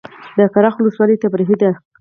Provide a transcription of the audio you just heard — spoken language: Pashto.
د کرخ ولسوالۍ تفریحي ده